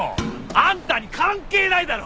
あんたに関係ないだろ！